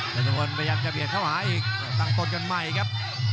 รัฐพลพยายามจะเปลี่ยนเข้าหาอีกตั้งตนกันใหม่ครับ